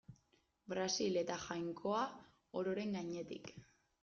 Brasil eta Jainkoa ororen gainetik.